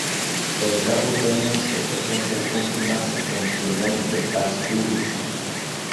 El cabo Peñas representa el punto más septentrional de Asturias.